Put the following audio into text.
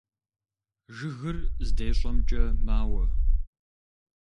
Жыгыр здещӀэмкӀэ мауэ.